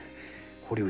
堀内！